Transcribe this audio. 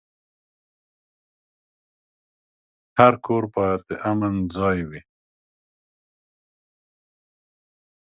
هر کور باید د امن ځای وي.